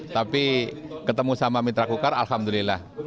tapi ketemu sama mitra kukar alhamdulillah